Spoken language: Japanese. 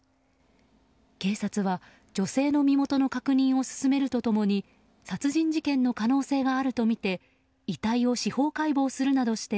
警察は女性の身元の確認を進めると共に殺人事件の可能性があるとみて遺体を司法解剖するなどして